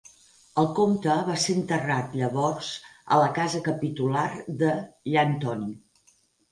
El comte va ser enterrat llavors a la casa capitular de Llanthony.